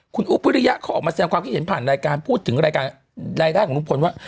คุณอุ๊บพิริยะเขาออกมาแสดงความคิดเห็นผ่านรายการพูดถึงรายการรายได้ของลุงพลว่า